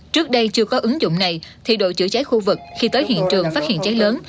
trước đây chưa có ứng dụng này thì đội chữa cháy khu vực khi tới hiện trường phát hiện cháy lớn